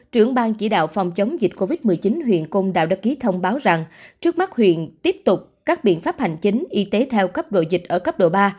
trưởng ban chỉ đạo phòng chống dịch covid một mươi chín huyện côn đảo đã ký thông báo rằng trước mắt huyện tiếp tục các biện pháp hành chính y tế theo cấp độ dịch ở cấp độ ba